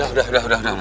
udah udah udah